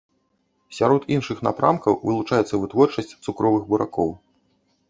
Сярод іншых напрамкаў вылучаецца вытворчасць цукровых буракоў.